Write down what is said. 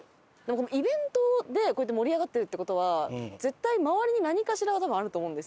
イベントでこうやって盛り上がってるって事は絶対周りに何かしらは多分あると思うんですよね。